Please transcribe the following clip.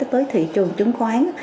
tới thị trường chứng khoán